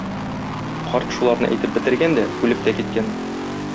Карт шуларны әйтеп бетергән дә үлеп тә киткән.